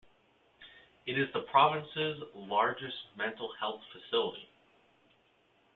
It is the province's largest mental health facility.